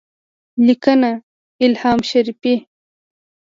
لیکنه: الهام شریفی